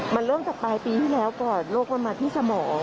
มันเริ่มจากปลายปีที่แล้วก่อนโรคมันมาที่สมอง